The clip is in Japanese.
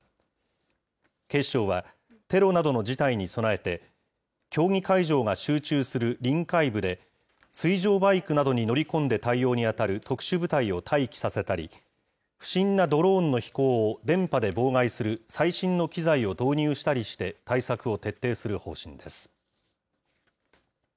警視庁は、テロなどの事態に備えて、競技会場が集中する臨海部で、水上バイクなどに乗り込んで対応に当たる特殊部隊を待機させたり、不審なドローンの飛行を電波で妨害する最新の機材を導入したりして、対策を徹底する方針です。